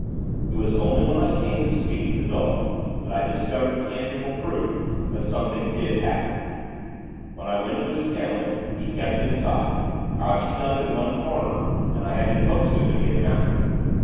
It was only when I came to speak to the dog, that I discovered tangible proof, that something did happen. When I went to his kennel, he kept inside, crouching up in one corner, and I had to coax him, to get him out.